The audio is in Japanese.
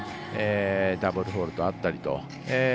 ダブルフォールトあったりと。